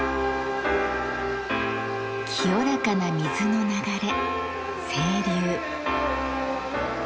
清らかな水の流れ